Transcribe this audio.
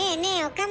岡村。